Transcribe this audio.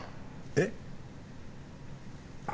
えっ？